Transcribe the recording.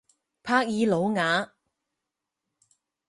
帕尔鲁瓦。